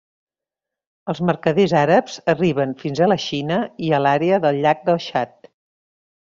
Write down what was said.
Els mercaders àrabs arriben fins a la Xina i a l'àrea del llac Txad.